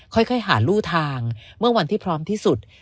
ค่อยหารู่ทางเมื่อวันที่พร้อมที่สุด